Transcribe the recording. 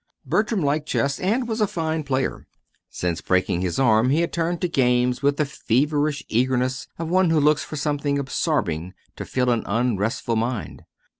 Bertram liked chess, and was a fine player. Since breaking his arm he had turned to games with the feverish eagerness of one who looks for something absorbing to fill an unrestful mind.